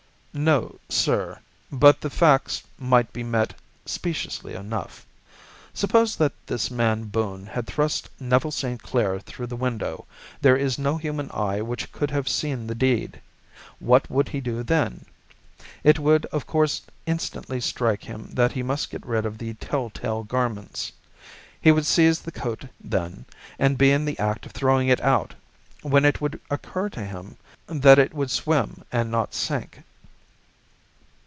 "No, sir, but the facts might be met speciously enough. Suppose that this man Boone had thrust Neville St. Clair through the window, there is no human eye which could have seen the deed. What would he do then? It would of course instantly strike him that he must get rid of the tell tale garments. He would seize the coat, then, and be in the act of throwing it out, when it would occur to him that it would swim and not sink.